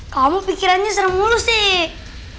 kamu ber institute kan